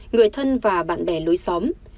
người thân và bạn bè lối xóm